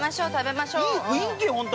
◆いい雰囲気、本当。